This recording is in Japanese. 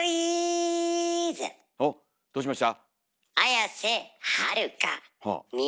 おっどうしました？